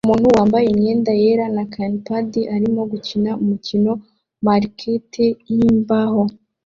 Umuntu wambaye imyenda yera na knepad arimo gukina umukino na marquet yimbaho